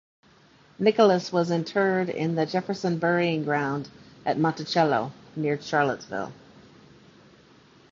Nicholas was interred in the Jefferson burying ground at Monticello, near Charlottesville.